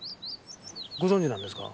ご存じなんですか？